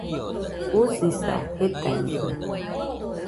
Usisa, jetañeno